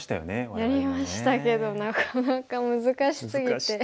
やりましたけどなかなか難しすぎて。